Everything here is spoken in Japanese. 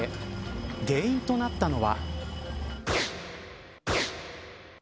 原因となったのは。